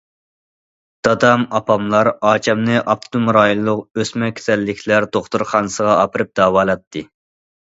دادام، ئاپاملار ئاچامنى ئاپتونوم رايونلۇق ئۆسمە كېسەللىكلەر دوختۇرخانىسىغا ئاپىرىپ داۋالاتتى.